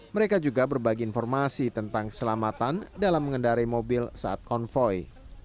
mereka juga berbagi informasi tentang keselamatan dalam mengendari mobil saat konvoy